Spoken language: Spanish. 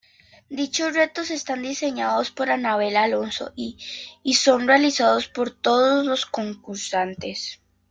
Dichos retos están diseñados por Anabel Alonso y son realizados por todos los concursantes.